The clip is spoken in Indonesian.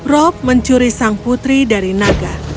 rob mencuri sang putri dari naga